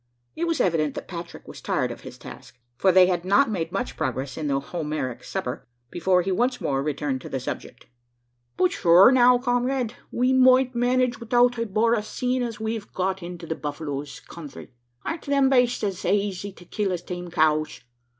It was evident that Patrick was tired of his task: for they had not made much progress in their Homeric supper, before he once more returned to the subject. "But shure now, comrayde! we moight manage widout the borra seein' as we've got into the buffalos' counthry. Aren't them bastes as aizy to kill as tame cows?